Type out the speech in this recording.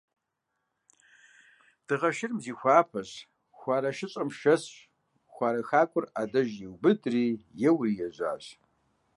Дыгъэ Шырым зихуапэщ, хуарэ шыщӀэм шэсщ, хуарэ хакӀуэр Ӏэдэжу иубыдри, еуэри ежьащ.